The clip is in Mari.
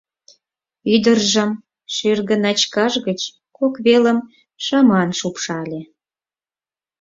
Ӱдыржым шӱргыначкаж гыч кок велым шыман шупшале.